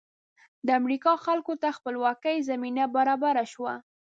د امریکا خلکو ته خپلواکۍ زمینه برابره شوه.